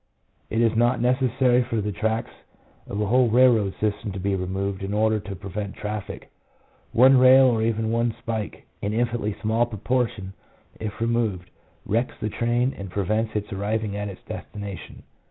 It is not necessary for the tracks of a whole railroad system to be removed in order to prevent traffic ; one rail or even one spike, an infinitely small proportion, if removed, wrecks the train, and prevents its arriving at its destination.